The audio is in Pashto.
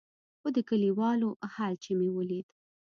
خو د کليوالو حال چې مې وليد.